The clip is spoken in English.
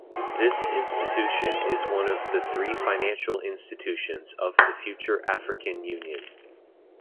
This institution is one of the three financial institutions of the future African Union.